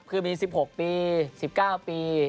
คือมี๑๖ปี๑๙ปี